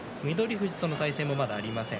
富士との対戦もまだありません。